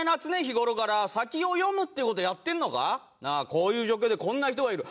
こういう状況でこんな人がいる。